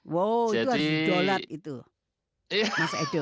wow itu harus jualan itu